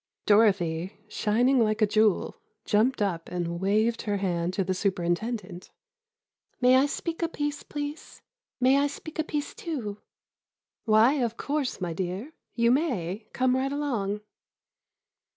Dorothy, shining like a jewel, jumped up and waved her hand to the superintendent: "May I speak a piece, please—may I speak a piece, too?" "Why, of course, my dear, you may; come right along."